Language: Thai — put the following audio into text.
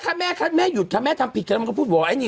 ขอน้ีมีแต่อะไรอุบาตว่าเธออ่ะเพียงมึงที